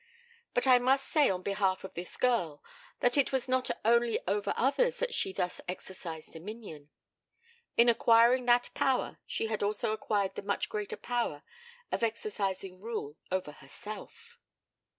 But I must say on behalf of this girl that it was not only over others that she thus exercised dominion. In acquiring that power she had also acquired the much greater power of exercising rule over herself.